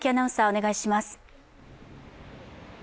お願いします。